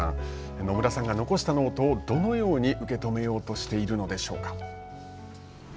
野村さんが残したノートをどのように受け止めようとしているのでしょうか。